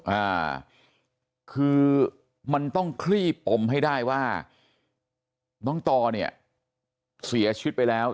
อ่าคือมันต้องคลี่ปมให้ได้ว่าน้องตอเนี่ยเสียชีวิตไปแล้ว